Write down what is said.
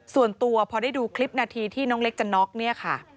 ส่วนตัวพอได้ดูคลิปนาทีที่น้องเล็กจะน็อกเนี่ยค่ะ